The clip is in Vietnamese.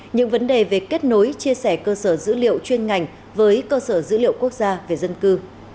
những vấn đề về kết nối chia sẻ cơ sở dữ liệu chuyên ngành với cơ sở dữ liệu quốc gia về dân cư